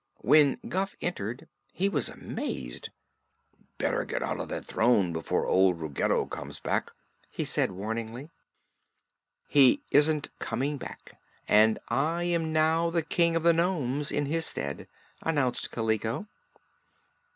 When Guph entered he was amazed. "Better get out of that throne before old Ruggedo comes back," he said warningly. "He isn't coming back, and I am now the King of the Nomes, in his stead," announced Kaliko.